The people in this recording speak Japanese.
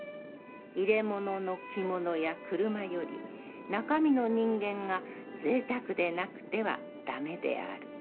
容れものの着物や車より、中身の人間が贅沢でなくては駄目である」。